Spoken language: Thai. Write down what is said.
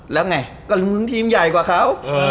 แล้วไงก็มึงทีมใหญ่กว่าเขา